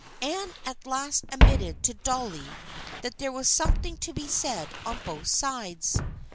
Anne at last admitted to Dolly that there was something to be said on both sides.